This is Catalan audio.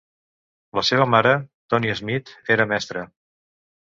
La seva mare, Toni Smith, era mestra.